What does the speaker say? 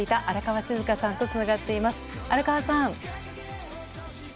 荒川さん。